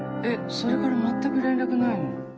それから全く連絡ないの？